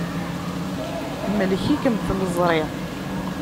Temlek-ikem tliẓri.